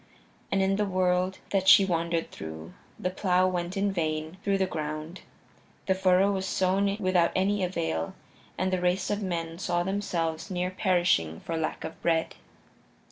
And in the world that she wandered through, the plow went in vain through the ground; the furrow was sown without any avail, and the race of men saw themselves near perishing for lack of bread.